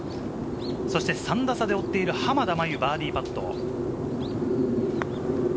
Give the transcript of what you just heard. ３打差で追っている濱田茉優、バーディーパット。